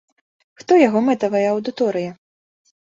Хто яго мэтавая аўдыторыя?